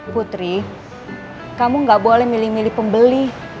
putri kamu gak boleh milih milih pembeli